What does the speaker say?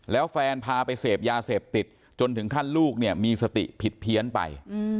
แล้วแฟนพาไปเสพยาเสพติดจนถึงขั้นลูกเนี่ยมีสติผิดเพี้ยนไป